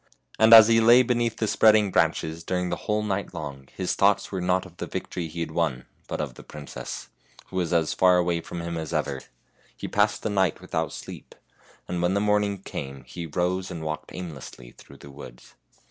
And as he lay beneath the spreading branches during the whole night long his thoughts were not of the victory he had won, but of the princess, who was as far away from him as ever. He passed the night without sleep, and when the morning came he rose and walked aimlessly through the woods.